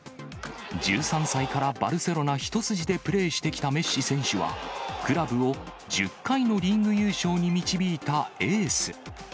１３歳からバルセロナ一筋でプレーしてきたメッシ選手は、クラブを１０回のリーグ優勝に導いたエース。